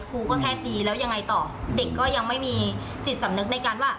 ครูก็แค่ตีแล้วยังไงต่อเด็กก็ยังไม่มีจิตสำนึกในการว่า